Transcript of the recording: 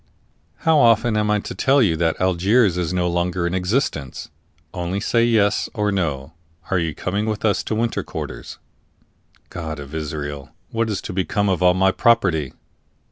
"How often am I to tell you that Algiers is no longer in existence? Only say yes or no are you coming with us into winter quarters?" "God of Israel! what is to become of all my property?"